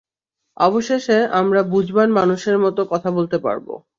অবশেষে, আমরা বুঝবান মানুষের মতো কথা বলতে পারবো!